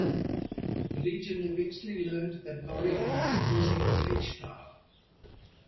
The Legion eventually learned that Lori had been using the H-dial.